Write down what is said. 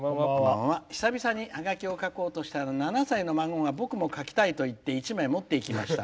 久々にはがきを書こうとしたら、７歳の孫が僕も書きたいと言って１枚持っていきました。